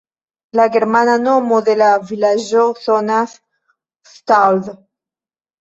La germana nomo de la vilaĝo sonas "Staadl".